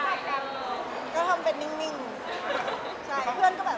เขามาเล่าอย่างไงครับ